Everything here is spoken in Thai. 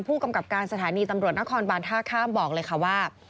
ผู้กำกับการสถานีตำรวจนครบานท่าข้ามบอกเลยค่ะว่า